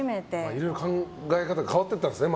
いろいろ考え方が変わり始めたんですね。